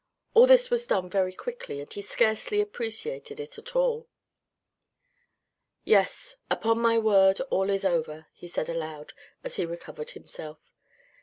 All this was done very quickly, and he scarcely appreciated it at all. " Yes, upon my word, all is over," he said aloud as he recovered himself.